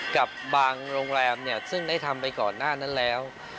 กับบางโรงแรมซึ่งได้ทำไปก่อนหน้านั้นแล้ว